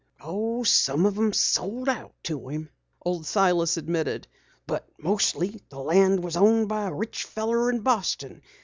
"Some of 'em sold out to him," Old Silas admitted. "But mostly the land was owned by a rich feller in Boston.